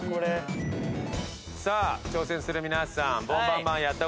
さあ挑戦する皆さん